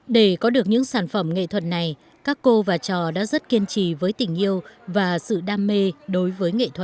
kim giấy lên những cái lưới hoặc các con có thể làm trên chất liệu bằng dùi gỗ